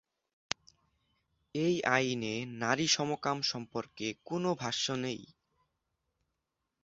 এই আইনে নারী সমকাম সম্পর্কে কোনো ভাষ্য নেই।